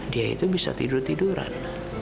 dia itu bisa tidur tiduran